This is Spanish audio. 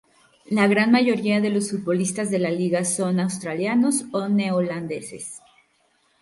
La gran mayoría de los futbolistas de la liga son australianos o neozelandeses.